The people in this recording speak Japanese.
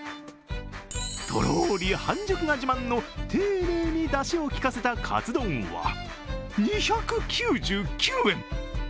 とろり半熟が自慢の丁寧にだしを効かせた、かつ丼は２９９円。